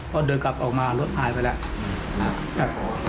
พอเดินกลับออกมารถหายไปแล้ว